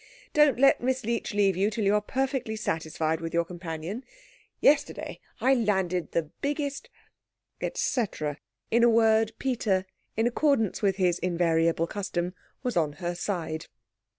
Don't let Miss Leech leave you till you are perfectly satisfied with your companion. Yesterday I landed the biggest " etc. In a word, Peter, in accordance with his invariable custom, was on her side.